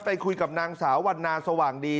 ไปคุยกับนางสาววันนาสว่างดี